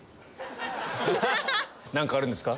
何かあるんですか？